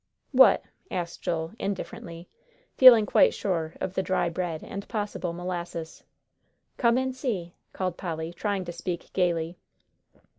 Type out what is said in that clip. "What?" asked Joel, indifferently, feeling quite sure of the dry bread and possible molasses. "Come and see," called Polly, trying to speak gayly.